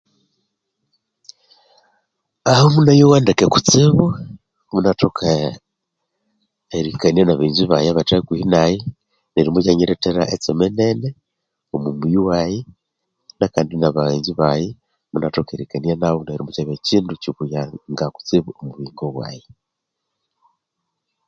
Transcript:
Aho munayowa ndeke kutsibu munathoka erikania nabaghenzi baghe abathe hakuhi naghe neryo mukyanyirethera etseme nene omwa muyi wayi nakandi nabaghenzi baghe munathoka erikania nabo neryo mukyabya kyindu kyibuyanga kutsibu omwa buyingo bwayi.